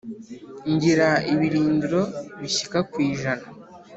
Ngira ibirindiro bishyika ku ijana